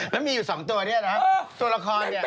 แล้วมีอยู่๒ตัวนี่หรือ